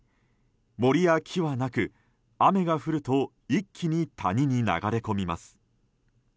森や木はなく、雨が降ると一気に谷に流れ込みます。